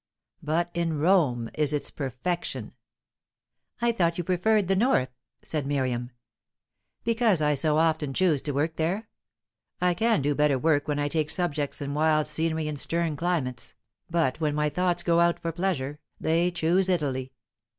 But in Rome is its perfection." "I thought you preferred the north," said Miriam. "Because I so often choose to work there? I can do better work when I take subjects in wild scenery and stern climates, but when my thoughts go out for pleasure, they choose Italy.